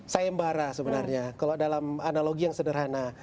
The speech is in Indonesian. sayembara sebenarnya kalau dalam analogi yang sederhana